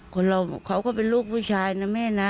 คนเราเขาก็เป็นลูกผู้ชายนะแม่นะ